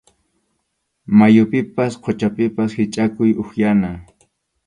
Mayupipas quchapipas hichʼakuq upyana.